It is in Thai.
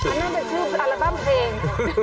อันนั้นเป็นชื่ออัลบั้มเพลง